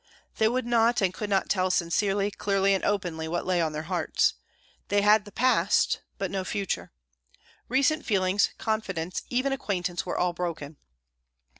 They would not and could not tell sincerely, clearly, and openly, what lay on their hearts. They had the past, but no future. Recent feelings, confidence, even acquaintance, were all broken.